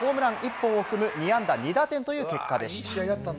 大谷選手はホームラン１本を含む２安打２打点という結果でした。